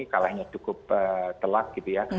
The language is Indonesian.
kalahnya cukup telak gitu ya